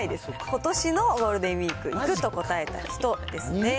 ことしのゴールデンウィーク、行くと答えた人ですね。